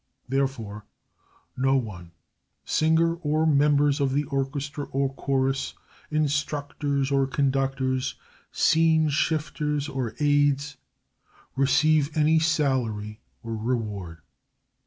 Therefore, no one, singer or members of the orchestra or chorus, instructors or conductors, scene shifters or aides, receive any salary or reward.